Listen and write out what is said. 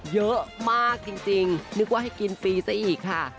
เยอะมากจริงนึกว่าให้กินฟรีซะอีกค่ะ